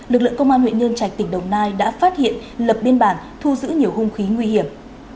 lực lượng công an huyện nhân trạch tỉnh đồng nai đã phát hiện lập biên bản thu giữ nhiều hung khí nguy hiểm